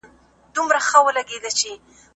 تاسو ولې نن دومره بې حوصلې ښکارېږئ؟